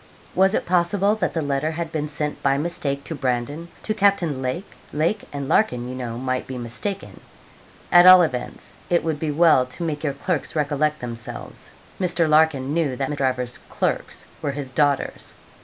Was it possible that the letter had been sent by mistake to Brandon to Captain Lake? Lake and Larkin, you know, might be mistaken. At all events, it would be well to make your clerks recollect themselves. (Mr. Larkin knew that Driver's 'clerks' were his daughters.)